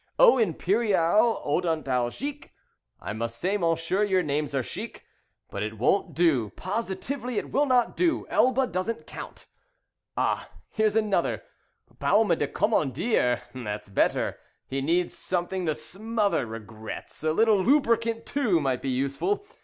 'Eau Imperial Odontalgique.' I must say, mon cher, your names are chic. But it won't do, positively it will not do. Elba doesn't count. Ah, here is another: 'Baume du Commandeur'. That's better. He needs something to smother Regrets. A little lubricant, too, Might be useful.